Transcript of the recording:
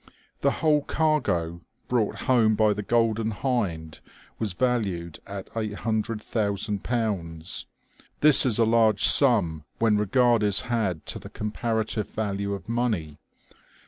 The whole cargo brought home by the Golden Hind was valued at £800,000. This is a large sum when regard is had to the comparative value of money.